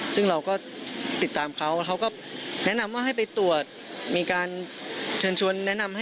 ซึ่งเราก็ติดตามเขาก็แนะนำให้ไปตรวจ